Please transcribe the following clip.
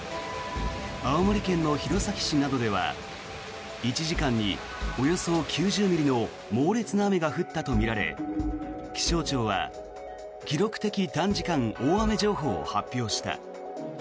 青森県の弘前市などでは１時間におよそ９０ミリの猛烈な雨が降ったとみられ気象庁は記録的短時間大雨情報を発表した。